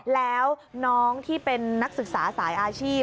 แล้วน้องที่เป็นนักศึกษาสายอาชีพ